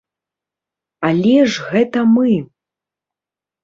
Але ж гэта мы.